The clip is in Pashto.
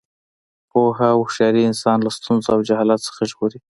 پوهه او هوښیاري انسان له ستونزو او جهالت څخه ژغوري.